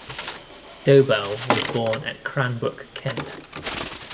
Dobell was born at Cranbrook, Kent.